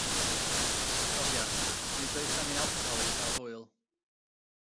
Cofia, nid oes angen alcohol i gael hwyl